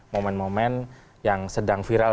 momen momen yang sedang viral